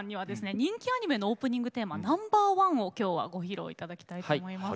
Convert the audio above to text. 人気アニメのオープニングテーマ「Ｎｏ．１」を今日はご披露いただきたいと思います。